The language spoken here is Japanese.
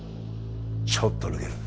ちょっと抜ける